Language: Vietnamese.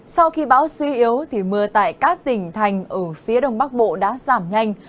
sau khi bão suy yếu thì mưa tại các tỉnh thành ở phía đông bắc bộ đã giảm nhanh